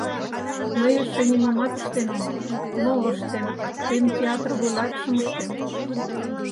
— Мый эше нимомат ыштен омыл, но ыштем, тыйым театр вуйлатышым ыштем.